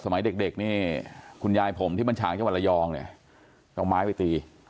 สมัยเด็กนี่คุณยายผมที่บรรชางเจ้าวรยองเนี่ยเอาไม้ไปตี